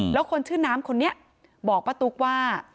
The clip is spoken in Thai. แล้วคนชื่อน้ำคนนี้บอกป้าตุ๊กว่า